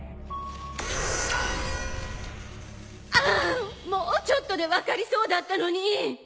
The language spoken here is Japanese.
ああもうちょっとで分かりそうだったのに！